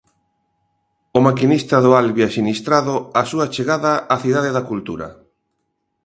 O maquinista do Alvia sinistrado, a súa chegada á Cidade da Cultura.